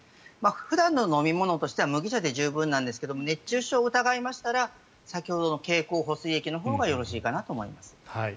普段の飲み物としては麦茶で十分なんですが熱中症を疑いましたら先ほどの経口補水液のほうがよろしいかなと思います。